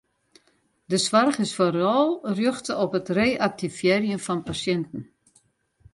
De soarch is foaral rjochte op it reaktivearjen fan pasjinten.